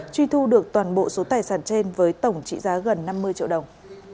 truy thu được toàn bộ số tài sản trên với tổng trị giá gần năm mươi triệu đồng